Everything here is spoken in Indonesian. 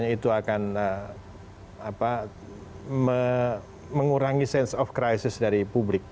itu akan mengurangi sense of crisis dari publik